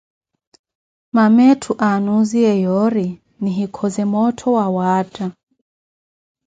Mama etthu aanusiye yoori nihikhoze moottho wawaatta.